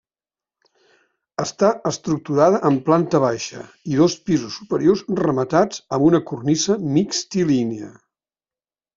Està estructurada en planta baixa i dos pisos superiors rematats amb una cornisa mixtilínia.